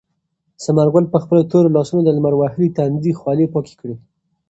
ثمر ګل په خپلو تورو لاسونو د لمر وهلي تندي خولې پاکې کړې.